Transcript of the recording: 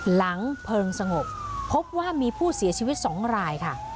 หลังเพลิงสงบพบว่ามีผู้เสียชีวิต๒รายค่ะ